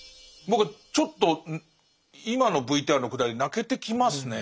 僕はちょっと今のＶＴＲのくだり泣けてきますね。